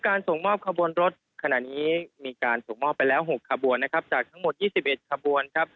การส่งมอบคบรวณรถขณะนี้มีการส่งมอบไปแล้วหกคบวนนะครับจากทั้งหมดยี่สิบเอ็ดคบวนครับ